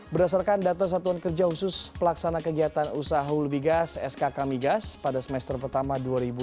berdasarkan data satuan kerja usus pelaksana kegiatan usaha hulbigas sk kamigas pada semester pertama dua ribu delapan belas